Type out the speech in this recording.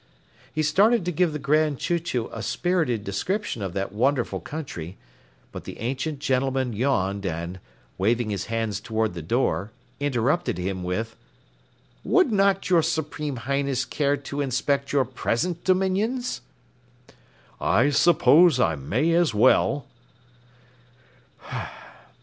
He started to give the Grand Chew Chew a spirited description of that wonderful country, but the ancient gentleman yawned and, waving his hands toward the door, interrupted him with: "Would not your Supreme Highness care to inspect your present dominions?" "I suppose I may as well!"